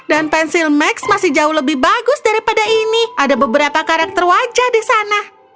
dan pensil max masih jauh lebih bagus daripada ini ada beberapa karakter wajah di sana